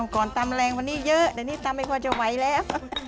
ตำแรงวันนี้เยอะแต่นี่ตำไม่ค่อยจะไหวแล้ว